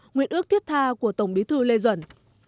nguyện ước thiết tha của tổng bí thư lê duẩn